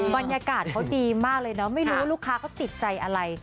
บรรยากาศเขาดีมากเลยเนอะไม่รู้ลูกค้าเขาติดใจอะไร